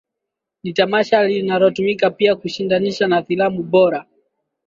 Ni tamasha linalotumika pia kushindanisha na filamu Bora